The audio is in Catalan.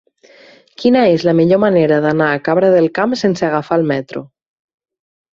Quina és la millor manera d'anar a Cabra del Camp sense agafar el metro?